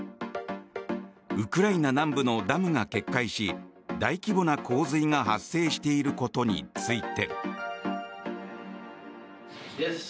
ウクライナ南部のダムが決壊し大規模な洪水が発生していることについて。